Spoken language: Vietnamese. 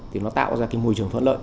thì nó tạo ra cái môi trường thuận lợi